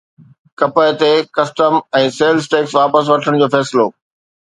ڪپهه تي custom ۽ sales tax واپس وٺڻ جو فيصلو